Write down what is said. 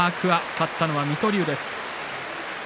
勝ったのは水戸龍です。